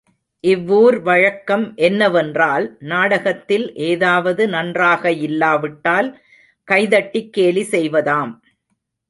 இவ்வூர் வழக்கம் என்ன வென்றால், நாடகத்தில் ஏதாவது நன்றாகயில்லாவிட்டால் கைதட்டிக் கேலி செய்வதாம்!